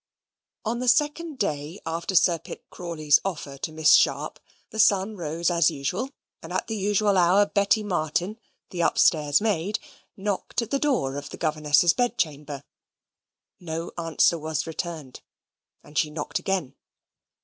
On the second day after Sir Pitt Crawley's offer to Miss Sharp, the sun rose as usual, and at the usual hour Betty Martin, the upstairs maid, knocked at the door of the governess's bedchamber. No answer was returned, and she knocked again.